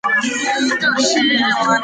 د دې پېښو وړاندوینه دقیق امکان نه لري.